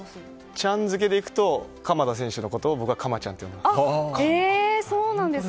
ちゃんづけでいくと鎌田選手のことを僕はカマちゃんって呼んでます。